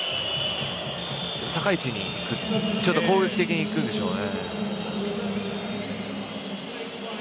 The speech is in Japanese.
高い位置に攻撃的に行くんでしょうね。